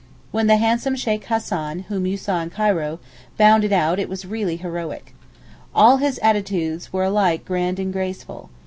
When the handsome Sheykh Hassan (whom you saw in Cairo) bounded out it really was heroic. All his attitudes were alike grand and graceful.